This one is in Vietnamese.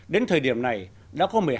đến thời điểm này đã có một mươi hai